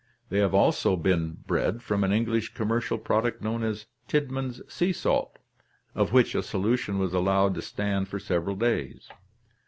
They have also been bred from an English commercial product known as "Tidman's Sea Salt," of which a solution was allowed to stand for several days.